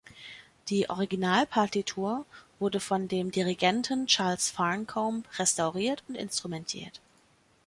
Die Originalpartitur wurde von dem Dirigenten Charles Farncombe restauriert und instrumentiert.